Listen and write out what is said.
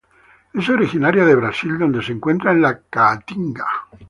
Es originaria de Brasil donde se encuentra en la Caatinga.